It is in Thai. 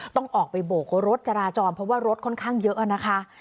ต้องออกไปโบกรถจราจรเพราะว่ารถค่อนข้างเยอะนะคะ